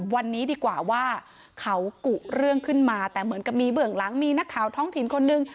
วันนี้ดีกว่าว่าเขากุเรื่องขึ้นมาแต่เหมือนกับมีเบื้องหลังมีนักข่าวท้องถิ่นคนหนึ่ง